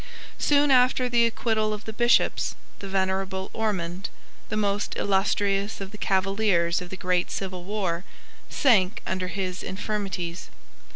Soon after the acquittal of the Bishops, the venerable Ormond, the most illustrious of the Cavaliers of the great civil war, sank under his infirmities.